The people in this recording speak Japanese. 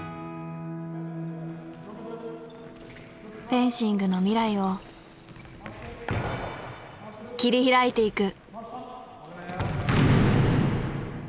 フェンシングの未来を切り開いていく！